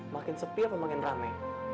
makin sepi atau makin rame